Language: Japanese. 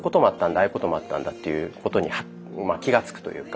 ああいうこともあったんだということに気がつくというか。